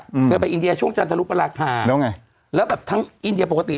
อืมเคยไปอินเดียช่วงจันทรุปราคาแล้วไงแล้วแบบทั้งอินเดียปกติ